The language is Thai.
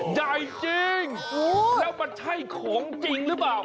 ใหญ่จริงแล้วมันใช่ของจริงหรือเปล่า